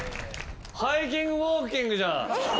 ハイキングウォーキングじゃん。